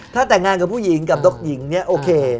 ถ้าแต่งงานกับผู้หญิงกับนกหญิงเนี่ยโอเค